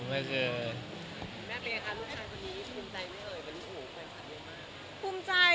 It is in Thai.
ลูกชายคนนี้ภูมิใจซักอย่างเหรอ